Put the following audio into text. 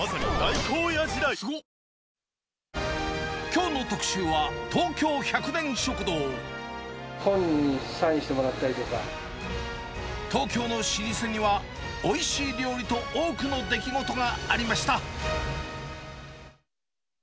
きょうの特集は、本にサインしてもらったりと東京の老舗には、おいしい料理と多くの出来事がありました。